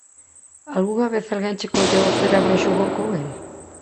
Algunha vez alguén che colleu o cerebro e xogou con el?